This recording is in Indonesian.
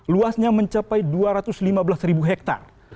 luasnya mencapai dua ratus lima belas ribu hektare